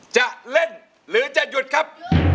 จะเล่นหรือจะหยุดครับ